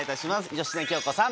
芳根京子さん。